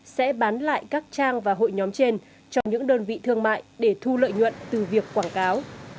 sẽ bán lại các trang và hội nhóm trên cho những đơn vị thương mại để thu lợi nhuận từ việc quảng cáo